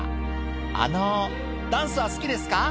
あのダンスは好きですか？」